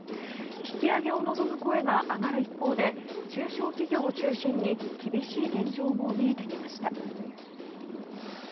引き上げを望む声が上がる一方で中小企業を中心に厳しい現状も見えてきました。